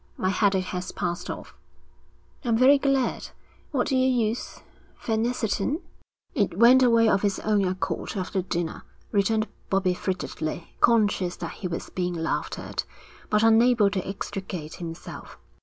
'My headache has passed off.' 'I'm very glad. What do you use phenacetin?' 'It went away of its own accord after dinner,' returned Bobbie frigidly, conscious that he was being laughed at, but unable to extricate himself.